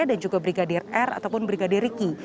juga brigadir r ataupun brigadir riki